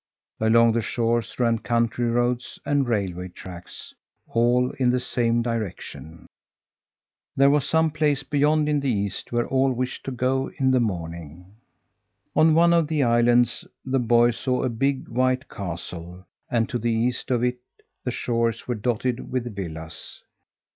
Along the shores ran country roads and railway tracks all in the same direction. There was some place beyond in the east where all wished to go to in the morning. On one of the islands the boy saw a big, white castle, and to the east of it the shores were dotted with villas.